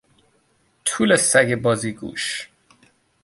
توله سگ بازیگوش